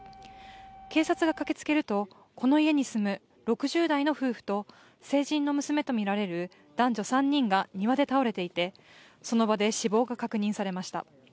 警察が駆けつけるとこの家に住む６０代の夫婦と成人の娘とみられる男女３人が庭で倒れていてその場で死亡が確認されました。